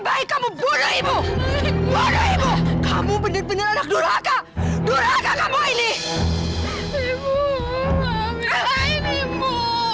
baik kamu bunuh ibu ibu kamu bener bener anak durhaka durhaka kamu ini ibu ibu ibu